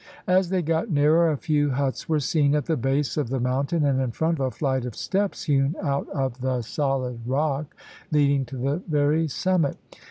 As they got nearer, a few huts were seen at the base of the mountain, and in front a flight of steps hewn out of the solid rock leading to the very summit.